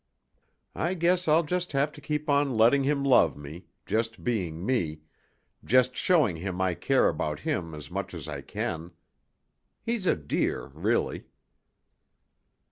I guess I'll just have to keep on letting him love me, just being me, just showing him I care about him as much as I can. He's a dear, really."